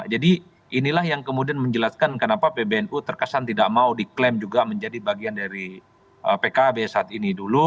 inilah yang kemudian menjelaskan kenapa pbnu terkesan tidak mau diklaim juga menjadi bagian dari pkb saat ini dulu